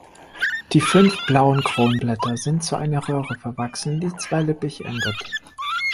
Die fünf blauen Kronblätter sind zu einer Röhre verwachsen, die zweilippig endet.